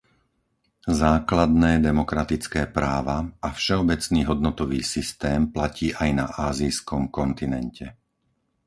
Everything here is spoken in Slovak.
Základné demokratické práva a všeobecný hodnotový systém platí aj na ázijskom kontinente.